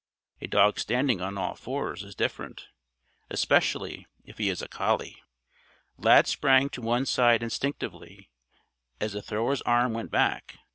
A dog standing on all fours is different, especially if he is a collie. Lad sprang to one side instinctively as the thrower's arm went back.